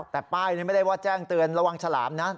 แต่ป้ายนี้ไม่ได้ว่าแจ้งเตือนระวังฉลามนะ